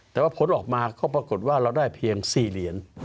แต่ว่าผลออกมาก็ปรากฏว่าเราได้เพียง๔เหรียญ